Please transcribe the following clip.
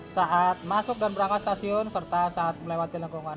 saat masuk dan berangkat stasiun serta saat melewati lengkungan